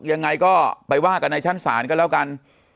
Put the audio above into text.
ยังไงก็ไปว่ากันในชั้นศาลก็แล้วกัน